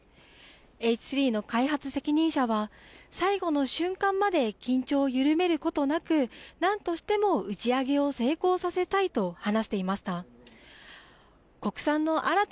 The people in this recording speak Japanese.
Ｈ３の開発責任者は最後の瞬間まで緊張を緩めることなく、なんとしても打ち上げを成功させたいと話していました。